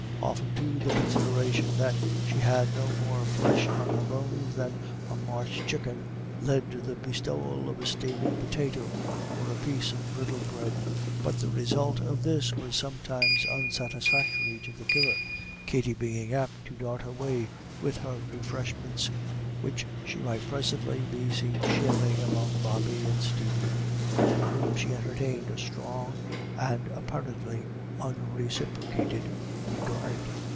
Often, too, the consideration that she had no more flesh on her bones than a March chucken led to the bestowal of a steaming potato or a piece of griddle bread; but the result of this was sometimes unsatisfactory to the giver, Katty being apt to dart away with her refreshments, which she might presently be seen sharing among Bobby and Stevie, for whom she entertained a strong and apparently unreciprocated regard.